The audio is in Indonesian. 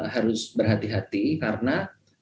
harus berhati hati karena